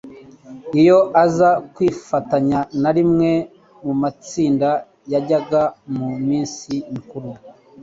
Iyo aza kwifatanya na rimwe mu matsinda yajyaga mu minsi mikuru,